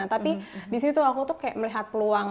tapi di situ aku melihat peluang